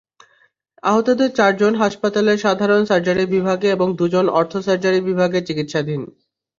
আহতদের চারজন হাসপাতালের সাধারণ সার্জারি বিভাগে এবং দুজন অর্থো-সার্জারি বিভাগে চিকিৎসাধীন।